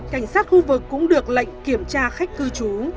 cảnh sát khu vực cũng được lệnh kiểm tra khách cư trú